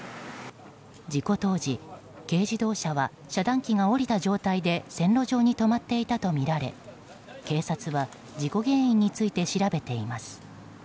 事故当時、軽自動車は遮断機が下りた状態で線路上に止まっていたとみられ警察は、事故原因について調べています。